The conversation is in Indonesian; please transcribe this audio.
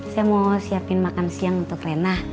saya mau siapin makan siang untuk renah